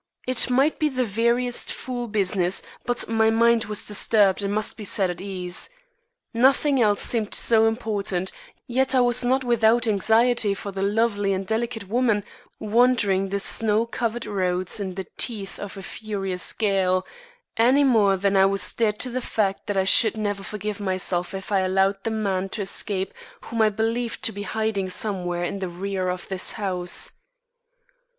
It might be the veriest fool business, but my mind was disturbed and must be set at ease. Nothing else seemed so important, yet I was not without anxiety for the lovely and delicate woman wandering the snow covered roads in the teeth of a furious gale, any more than I was dead to the fact that I should never forgive myself if I allowed the man to escape whom I believed to be hiding somewhere in the rear of this house.